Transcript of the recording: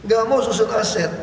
gak mau susun aset